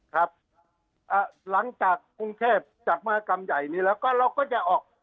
ครับหลังจากกรุงเทพจัดมหากรรมใหญ่นี้แล้วก็เราก็จะออก